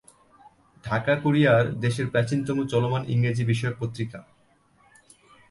Dhaka courier দেশের প্রাচীনতম চলমান ইংরেজি বিষয়ক পত্রিকা।